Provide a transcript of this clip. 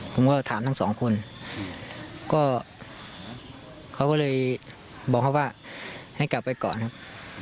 ผมก็ถามทั้งสองคนก็เขาก็เลยบอกเขาว่าให้กลับไปก่อนครับ